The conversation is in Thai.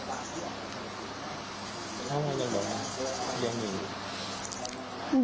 แล้วช่างลงอะไรหนึ่ง